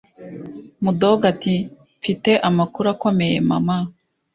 mudogo ati:mfite amakuru akomeye mama: